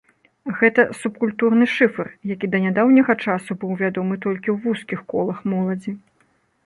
Гэта субкультурны шыфр, які да нядаўняга часу быў вядомы толькі ў вузкіх колах моладзі.